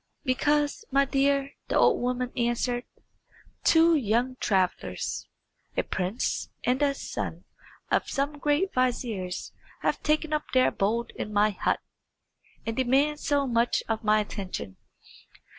"Because, my dear," the old woman answered, "two young travellers, a prince and the son of some great vizier, have taken up their abode in my hut, and demand so much of my attention.